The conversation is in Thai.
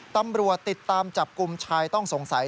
ตำรวจติดตามจับกลุ่มชายต้องสงสัย